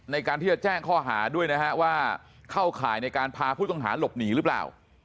ในการที่จะแจ้งข้อหาด้วยนะฮะว่าเข้าข่ายในการพาผู้ต้องหาหลบหนีหรือเปล่า